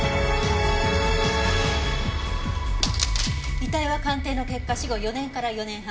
遺体は鑑定の結果死後４年から４年半。